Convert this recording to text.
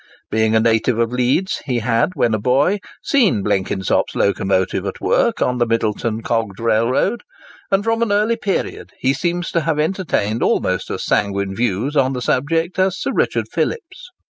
Being a native of Leeds, he had, when a boy, seen Blenkinsop's locomotive at work on the Middleton cogged railroad, and from an early period he seems to have entertained almost as sanguine views on the subject as Sir Richard Phillips.